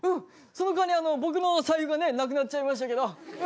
そのかわり僕の財布がねなくなっちゃいましたけど。